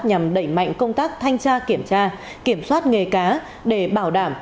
nhằm đẩy mạnh công tác thanh tra kiểm tra kiểm soát nghề cá để bảo đảm